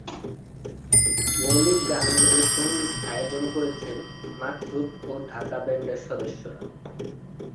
মৌলিক গানগুলির সঙ্গীত আয়োজন করেছেন মাকসুদ ও ঢাকা ব্যান্ডের সদস্যরা।